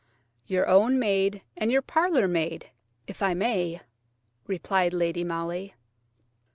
"Your own maid and your parlour maid, if I may," replied Lady Molly.